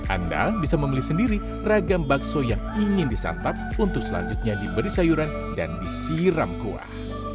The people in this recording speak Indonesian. anda bisa membeli sendiri ragam bakso yang ingin disantap untuk selanjutnya diberi sayuran dan disiram kuah